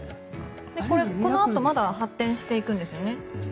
このあとまだ発展していくんですよね。